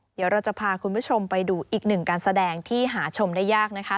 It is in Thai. เดี๋ยวเราจะพาคุณผู้ชมไปดูอีกหนึ่งการแสดงที่หาชมได้ยากนะคะ